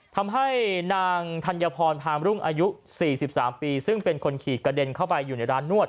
ทำให้นางธัญพรพามรุ่งอายุ๔๓ปีซึ่งเป็นคนขี่กระเด็นเข้าไปอยู่ในร้านนวด